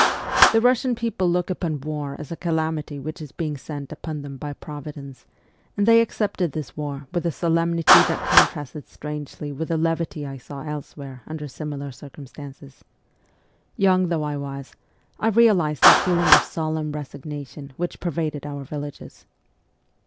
The Russian people look upon war as a calamity which is being sent upon them by Providence, and they accepted this war with a solem nity that contrasted strangely with the levity I saw elsewhere under similar circumstances. Young though I was, I realized that feeling of solemn resignation which pervaded our villages.